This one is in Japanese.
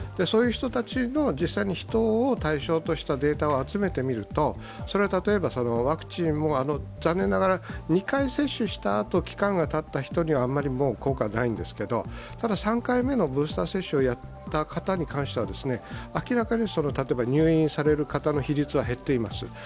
そういう人たちの実際のヒトを対象としたデータを集めてみるとそれは例えば、ワクチンも残念ながら２回接種したあと期間がたった人にはあんまり効果がないんですけどただ、３回目のブースター接種をやった方に関しては明らかに例えば入院される方の比率は減っています。